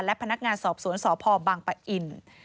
และพนักงานสอบสวนสพบังปะอิน